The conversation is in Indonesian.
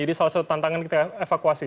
jadi salah satu tantangan kita evakuasi